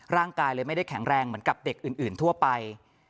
ร่างกายเลยไม่ได้แข็งแรงเหมือนกับเด็กอื่นทั่วไป